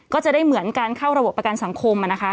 ก็จะได้เหมือนการเข้าระบบประกันสังคม